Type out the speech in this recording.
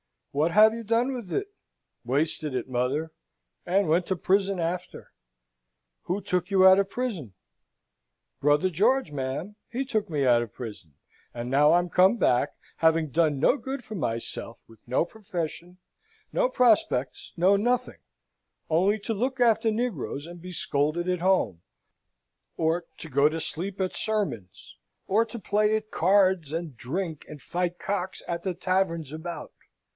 'What have you done with it?' 'Wasted it, mother, and went to prison after.' 'Who took you out of prison?' 'Brother George, ma'am, he took me out of prison; and now I'm come back, having done no good for myself, with no profession, no prospects, no nothing only to look after negroes, and be scolded at home; or to go to sleep at sermons; or to play at cards, and drink, and fight cocks at the taverns about.'